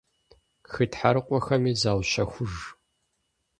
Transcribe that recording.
Хы тхьэрыкъуэхэми заущэхуж.